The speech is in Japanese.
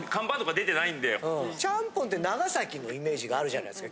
ちゃんぽんって長崎のイメージがあるじゃないですか